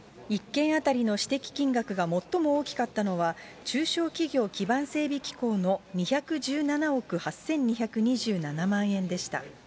１件当たりの指摘金額が最も大きかったのは、中小企業基盤整備機構の２１７億８２２７万円でした。